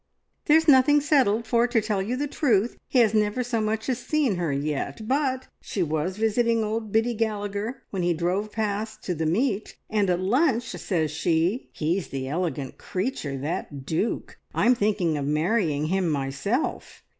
"There's nothing settled, for, to tell you the truth, he has never so much as seen her yet, but she was visiting old Biddy Gallagher when he drove past to the meet, and at lunch says she, `He's the elegant creature, that duke! I'm thinking of marrying him myself!'